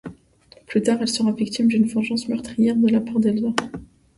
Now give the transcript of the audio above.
Plus tard, elle sera victime d'une vengeance meurtrière de la part d'Elsa.